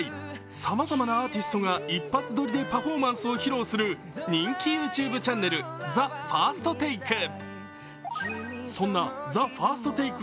さまざまなアーティストが一発撮りでパフォーマンスを披露する人気ＹｏｕＴｕｂｅチャンネル、ＴＨＥＦＩＲＳＴＴＡＫＥ。